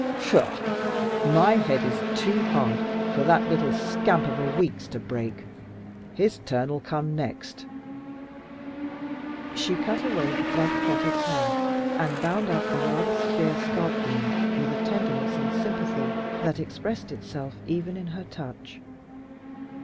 "Pshaw! My head is too hard for that little scamp of a Weeks to break. His turn'll come next." She cut away the blood clotted hair and bound up the rather severe scalp wound with a tenderness and sympathy that expressed itself even in her touch.